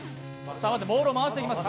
まず、ボールを回していきます。